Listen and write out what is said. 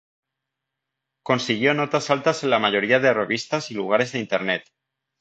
Consiguió notas altas en la mayoría de revistas y lugares de internet.